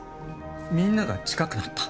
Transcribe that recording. みんなが近くなった。